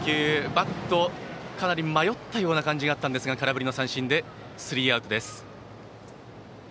バット、かなり迷ったような感じだったんですが空振り三振でスリーアウトです。